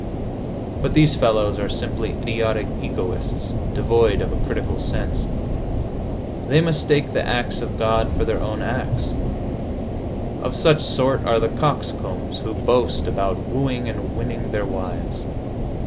But these fellows are simply idiotic egoists, devoid of a critical sense. They mistake the acts of God for their own acts. Of such sort are the coxcombs who boast about wooing and winning their wives.